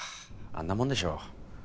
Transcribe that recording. あんなもんでしょう。